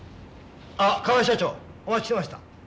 あっ河合社長お待ちしてました。